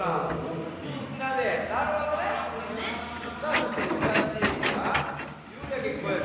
さあそしてうさじいが「夕やけこやけ」。